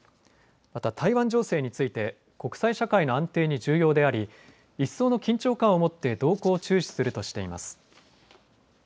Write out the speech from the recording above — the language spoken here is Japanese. また台湾情勢について国際社会の安定に重要であり一層の緊張感を持って動向を注視するとしています。